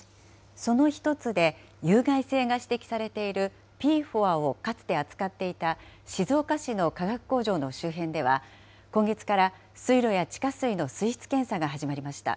その１つで、有害性が指摘されているＰＦＯＡをかつて扱っていた静岡市の化学工場の周辺では、今月から水路や地下水の水質検査が始まりました。